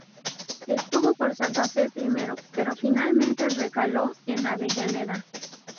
Estuvo por Santa Fe primero pero finalmente recaló en Avellaneda.